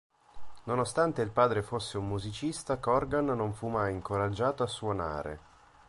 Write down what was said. Nonostante il padre fosse un musicista, Corgan non fu mai incoraggiato a suonare.